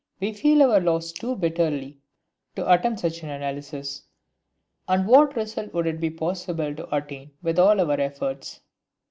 We feel our loss too bitterly to attempt such an analysis. And what result would it be possible to attain with all our efforts!